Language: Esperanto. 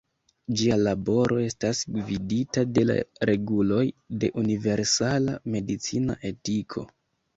Ĝia laboro estas gvidita de la reguloj de universala medicina etiko.